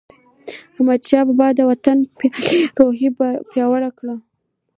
احمدشاه بابا د وطن پالنې روحیه پیاوړې کړه.